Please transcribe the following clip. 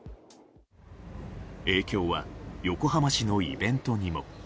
影響は横浜市のイベントにも。